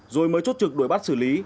rồi mới chốt trực đuổi bắt xử lý